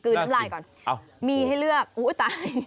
น้ำลายก่อนมีให้เลือกอุ้ยตาย